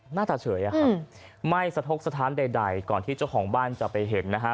หน้าตาเฉยอะครับไม่สะทกสถานใดก่อนที่เจ้าของบ้านจะไปเห็นนะฮะ